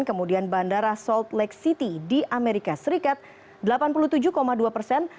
kemudian bandara sold lake city di amerika serikat delapan puluh tujuh dua persen